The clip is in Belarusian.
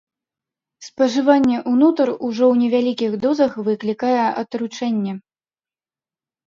Спажыванне ўнутр ўжо ў невялікіх дозах выклікае атручэнне.